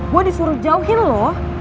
gue disuruh jauhin lo